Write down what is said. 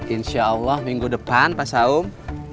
insyaallah minggu depan pak saum